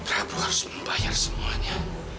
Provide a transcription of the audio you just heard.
prabu harus membayar semuanya